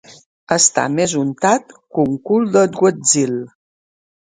Estar més untat que un cul d'agutzil.